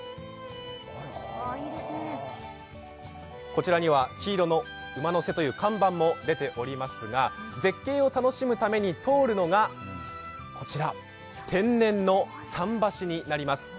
こちらには黄色の「馬背」という看板も出ていますが、絶景を楽しむために通るのがこちら天然の桟橋になります。